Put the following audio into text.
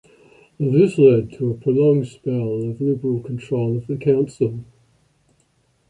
This led to a prolonged spell of Liberal control of the council.